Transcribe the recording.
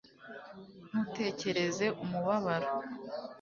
ntutekereze umubabaro